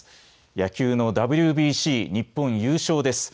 野球のＷＢＣ、日本優勝です。